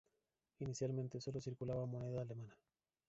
Inicialmente solo circulaba moneda alemana.